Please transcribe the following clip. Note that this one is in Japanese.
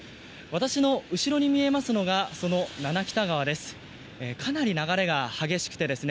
私の後ろに見えますのが七北田川です。